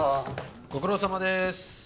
ご苦労さまです